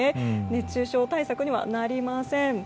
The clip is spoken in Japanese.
熱中症対策にはなりません。